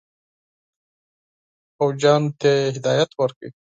پوځیانو ته یې هدایت ورکړ.